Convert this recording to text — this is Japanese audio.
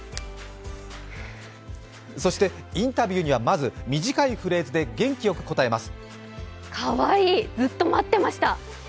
そしてインタビューには、まず短いフレーズで元気よく答えます。